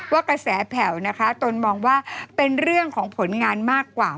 กระแสแผ่วนะคะตนมองว่าเป็นเรื่องของผลงานมากกว่า